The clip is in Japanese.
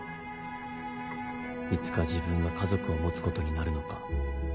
いつか自分が家族を持つことになるのか。